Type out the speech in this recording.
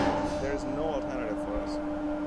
There is no alternative for us.